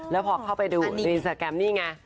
แล้วพอเข้าไปดูในอินสตาแกรมนี่ไง